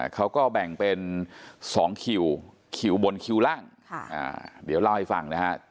เขาก็แบ่งเป็น๒คิวคิวบนคิวล่างเดี๋ยวเล่าให้ฟังนะฮะ